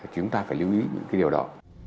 chúng ta phải lưu ý những cái điều đó